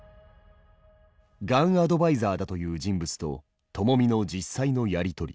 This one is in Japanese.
“がんアドバイザー”だという人物とともみの実際のやり取り。